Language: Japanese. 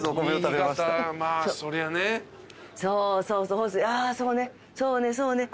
そうそうね。